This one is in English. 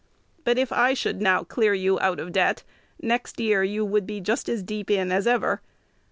But, if I should now clear you out of debt, next year you would be just as deep in as ever.